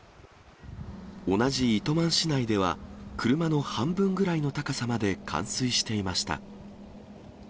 同じ糸満市内では、車の半分ぐらいの高さまで冠水していました。